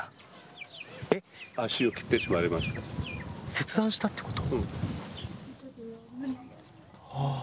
切断したってこと。